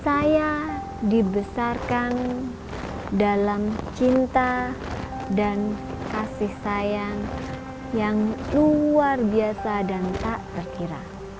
saya dibesarkan dalam cinta dan kasih sayang yang luar biasa dan tak terkira